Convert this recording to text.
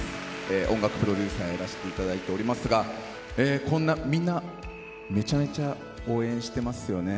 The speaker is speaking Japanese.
音楽プロデューサーやらせていただいておりますが、こんな、みんな、めちゃめちゃ応援してますよね。